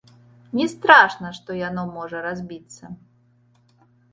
Не страшна, што яно можа разбіцца.